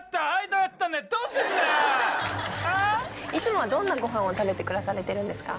いつもはどんなご飯を食べて暮らされてるんですか？